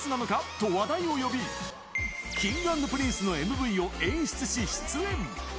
と話題を呼び、Ｋｉｎｇ＆ＰｒｉｎｃｅのＭＶを演出し、出演。